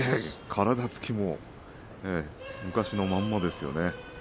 体つきも昔のままですね。